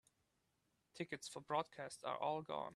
Tickets for the broadcast are all gone.